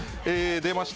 出ました。